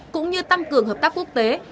cũng như tăng cường hợp tác quốc tế